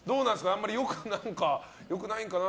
あまり良くないのかな？